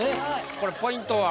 これポイントは？